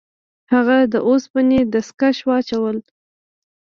هغه د اوسپنې دستکش واچول.